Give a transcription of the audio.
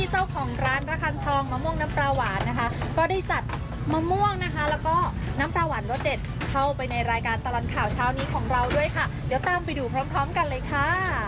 เชื่อเลยค่ะว่าคุณชนะคุณใบตองแล้วก็คุณนิวนาวต้องอิจฉาแน่นอนค่ะ